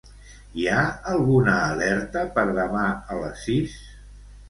Hi ha alguna alerta per demà a les sis?